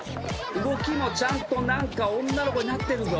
動きもちゃんと何か女の子になってるぞ。